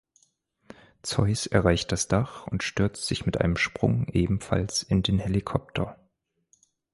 Zeus erreicht das Dach und stürzt sich mit einem Sprung ebenfalls in den Helikopter.